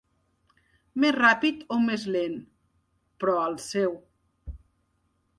Més ràpid o més lent, però al seu.